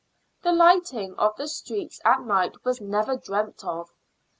The lighting of the streets at night was never dreamt of.